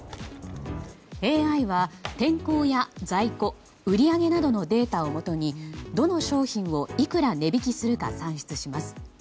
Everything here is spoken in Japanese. ＡＩは天候や在庫売り上げなどのデータをもとにどの商品をいくら値引きするか算出します。